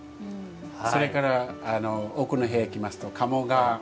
それから奥の部屋へ行きますと鴨川。